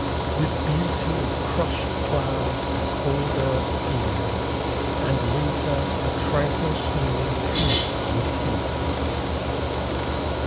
With beauty of crushed clouds the cold earth teems, And winter a tranquil seeming truce would keep.